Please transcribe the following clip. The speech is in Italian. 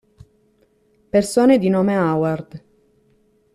Persone di nome Howard